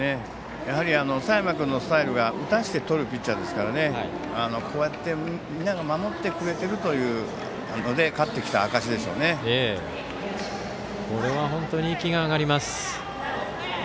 佐山君のスタイルが打たせてとるピッチャーですからこうやってみんなが守ってくれているというのでこれは本当に意気が上がります。